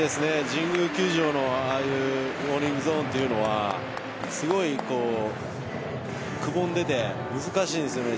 神宮球場のああいうウォーニングゾーンというのはすごいくぼんでいて難しいですよね。